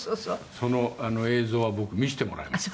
「その映像は僕見せてもらいました」